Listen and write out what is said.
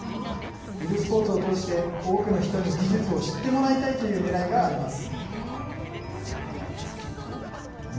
ゆるスポーツを通して、多くの人に技術を知ってもらいたいというねらいがあります。